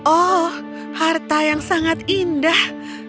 oh harta yang sangat indah